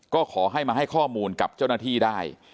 ก็ขอให้มาให้ข้อมูลกับเจ้าหน้าที่ได้